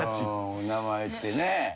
名前ってね。